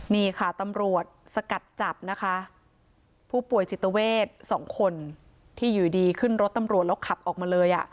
นี่ค่ะตำรวจสกัดจับนะคะผู้ป่วยจิตเวท๒คนที่อยู่ดีขึ้นรถตำรวจแล้วขับออกมาเลย